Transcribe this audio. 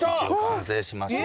完成しました。